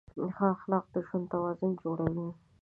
ښه اخلاق د ژوند توازن جوړوي.